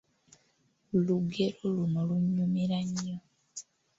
Lugero luno lunnyumira nnyo.